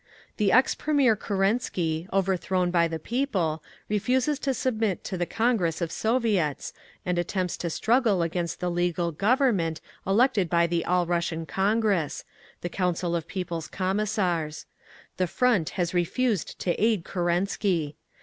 "The ex Premier Kerensky, overthrown by the people, refuses to submit to the Congress of Soviets and attempts to struggle against the legal Government elected by the All Russian Congress—the Council of People's Commissars. The Front has refused to aid Kerensky.